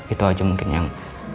itu aja mungkin yang